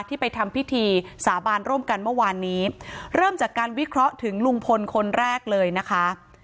ที่ไปทำพิธีสาบานร่วมกันเมื่อวานนี้เริ่มจากการวิเคราะห์ถึงลุงพลคนแรกเลยนะคะ